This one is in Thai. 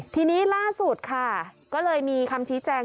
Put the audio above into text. ทีนี้ล่าสุดค่ะก็เลยมีคำชี้แจง